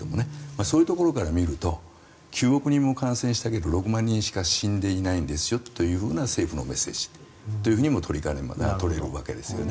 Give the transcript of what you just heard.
そういうところから見ると９億人も感染したけど６万人しか死んでないですよという政府のメッセージというふうにも取れるわけですよね。